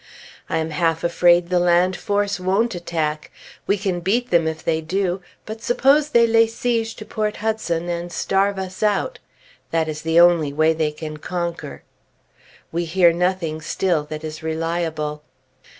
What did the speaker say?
I am half afraid the land force won't attack. We can beat them if they do; but suppose they lay siege to Port Hudson and starve us out? That is the only way they can conquer. We hear nothing still that is reliable.